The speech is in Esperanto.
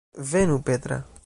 Venu, Petra.